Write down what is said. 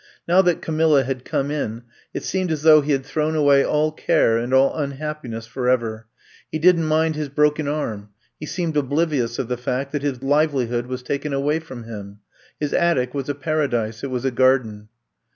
Now that Camilla had come in, it seemed as though he had thrown away all care and all unhappiness. forever. He didn't mind his broken arm. He seemed oblivious of the fact that his livelihood was taken away from him. His attic was a paradise; it was a gar den.